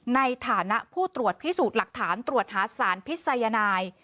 ในฐานะผู้ตรวจพิสูจน์หลักฐานตรวจหาสารพิษยนาย